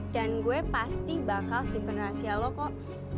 dan gue pasti bakal simpen rahasia lo kok